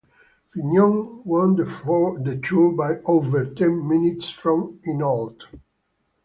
Fignon won the Tour by over ten minutes from Hinault.